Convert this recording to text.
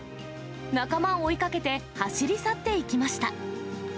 仲間を追いかけて走り去っていきました。